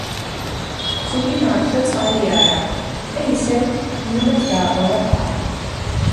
ფქვილი მაქვს და წყალი არა! – და ისევ ირმებს გააყოლა თვალი.